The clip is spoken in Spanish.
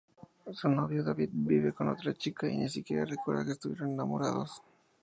Su novio David vive con otra chica y ni siquiera recuerda que estuvieron enamorados.